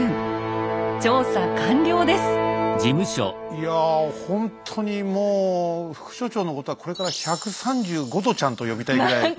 いやほんとにもう副所長のことはこれから「１３５度ちゃん」と呼びたいぐらい。